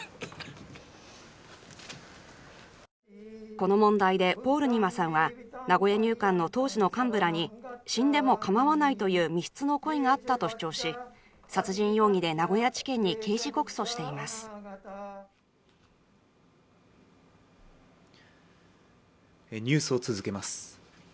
この問題でポールニマさんは名古屋入管の当時の幹部らに死んでもかまわないという未必の故意があったと主張し殺人容疑で名古屋地検に刑事告訴しています。